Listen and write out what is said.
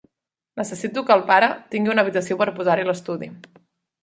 Necessito que el pare tingui una habitació per posar-hi l'estudi.